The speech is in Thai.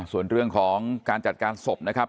ส่วนเรื่องของการจัดการศพนะครับ